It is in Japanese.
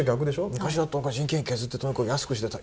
昔だったら人件費削ってとにかく安くしてた。